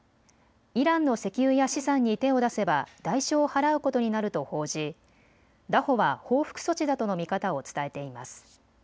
イランの石油や資産に手を出せば代償を払うことになると報じ拿捕は報復措置だとの見方を伝えています。